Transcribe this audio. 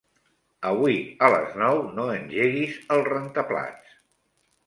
Avui a les nou no engeguis el rentaplats.